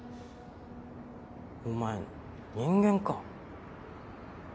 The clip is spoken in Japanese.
お前人間か。